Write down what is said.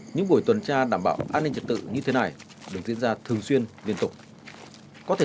những buổi tuần tra đảm bảo an ninh trật tự như thế này được diễn ra thường xuyên liên tục